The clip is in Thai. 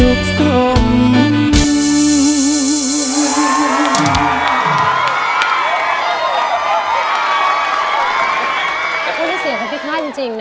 พูดได้เสียของพี่ข้าจริงนะ